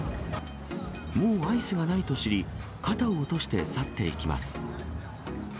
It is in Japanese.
もうアイスがないと知り、肩を落として去っていきます。